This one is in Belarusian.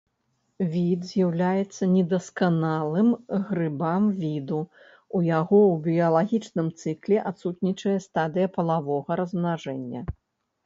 Від з'яўляецца недасканалым грыбам віду, у якога ў біялагічным цыкле адсутнічае стадыя палавога размнажэння.